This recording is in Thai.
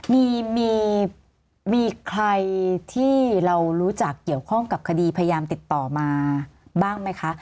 มีมีใครที่เรารู้จักเกี่ยวข้องกับคดีพยายามติดต่อมาบ้างไหมคะ